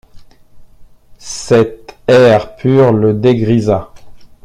Cet air pur le dégrisa.